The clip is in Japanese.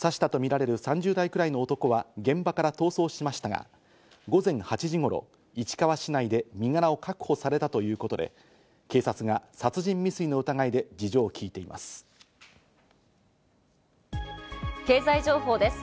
刺したとみられる３０代くらいの男は現場から逃走しましたが、午前８時頃、市川市内で身柄を確保されたということで警察が殺人未遂の疑いで経済情報です。